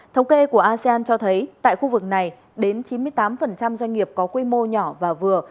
thống kê của asean cho thấy tại khu vực này đến chín mươi tám doanh nghiệp có quy mô nhỏ và vừa